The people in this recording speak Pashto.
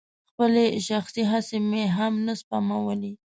خپلې شخصي هڅې مې هم نه سپمولې.